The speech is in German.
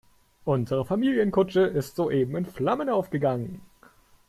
Unsere Familienkutsche ist soeben in Flammen aufgegangen.